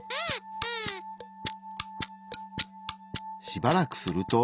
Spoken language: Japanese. しばらくすると。